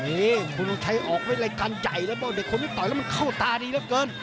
นี่ภูทวงชัยออกไว้รายการใหญ่แล้วบ้างเด็กคนไม่ต่อยแล้วมันเข้าตาดีแล้วเกิน